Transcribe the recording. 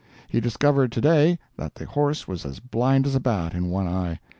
He discovered to day that the horse was as blind as a bat, in one eye.